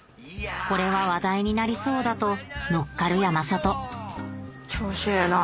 これは話題になりそうだと乗っかる山里調子ええな。